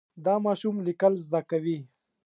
دا ماشوم لیکل زده کوي.